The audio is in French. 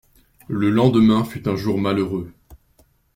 Le lendemain fut un jour malheureux.